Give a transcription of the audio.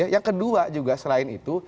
yang kedua juga selain itu